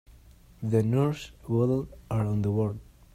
The nurse waddled around the ward.